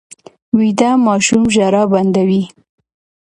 ویده ماشوم ژړا بنده وي